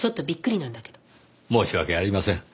申し訳ありません。